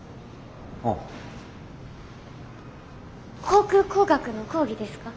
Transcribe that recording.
航空工学の講義ですか？